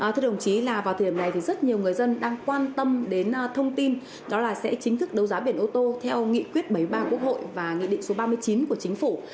thưa đồng chí là vào thời điểm này thì rất nhiều người dân đang quan tâm đến thông tin đó là sẽ chính thức đấu giá biển ô tô theo nghị quyết bảy mươi ba quốc hội và nghị định số ba mươi chín của chính phủ